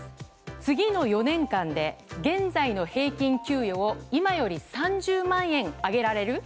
次の４年間で現在の平均給与を今より３０万円上げられる？